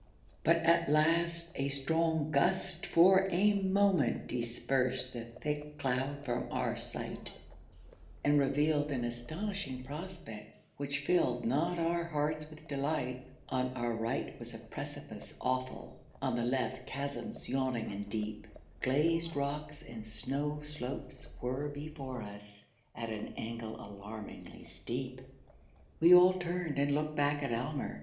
But at last a strong gust for a moment Dispersed the thick cloud from our sight, And revealed an astonishing prospect, Which filled not our hearts with delight: On our right was a precipice awful; On the left chasms yawning and deep; Glazed rocks and snow slopes were before us, At an angle alarmingly steep. We all turned and looked back at Almer.